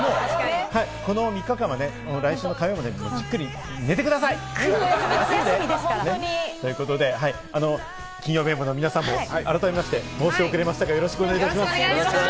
この３日間は来週の火曜日まで、じっくり寝てください！ということで、金曜メンバーの皆さんも改めまして、申し遅れましたが、よろしくお願いします。